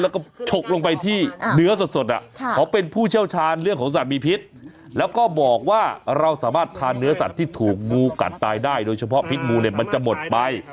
อะไรคำถามเลยคลิปนี้